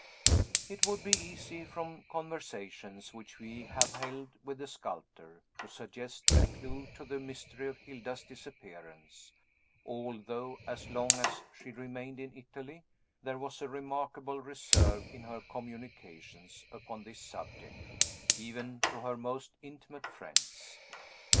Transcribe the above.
It would be easy, from conversations which we have held with the sculptor, to suggest a clew to the mystery of Hilda's disappearance; although, as long as she remained in Italy, there was a remarkable reserve in her communications upon this subject, even to her most intimate friends.